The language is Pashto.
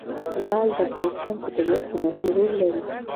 لعل د افغانستان په طبیعت کې مهم رول لري.